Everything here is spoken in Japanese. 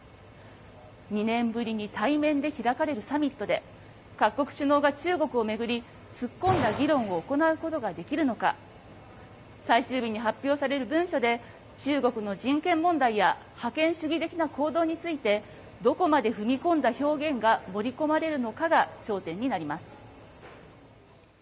２年ぶりに対面で開かれるサミットで、各国首脳が中国を巡り、突っ込んだ議論を行うことができるのか、最終日に発表される文書で、中国の人権問題や覇権主義的な行動について、どこまで踏み込んだ表現が盛り込まれるのかが焦点になります。